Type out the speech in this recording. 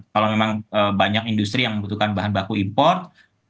kalau memang banyak industri yang membutuhkan bahan baku import